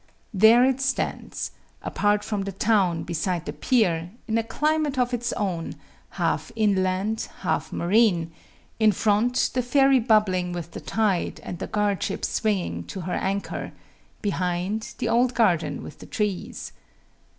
There it stands, apart from the town, beside the pier, in a climate of its own, half inland, half marine in front, the ferry bubbling with the tide and the guard ship swinging to her anchor; behind, the old garden with the trees.